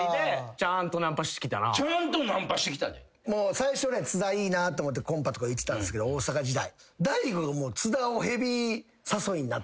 最初津田いいなと思ってコンパとか行ってたんすけど大阪時代。